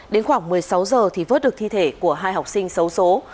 đến khoảng một mươi sáu giờ thì vớt được thi thể của hai học sinh xấu xố